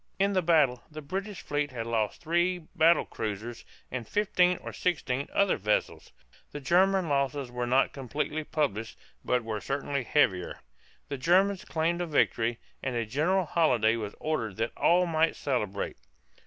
In the battle the British fleet had lost three battle cruisers and fifteen or sixteen other vessels. The German losses were not completely published but were certainly heavier. The Germans claimed a victory, and a general holiday was ordered that all might celebrate.